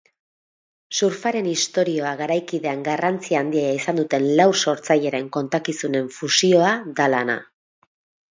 Surfaren historia garaikidean garrantzia handia izan duten lau sortzaileren kontakizunen fusioa da lana.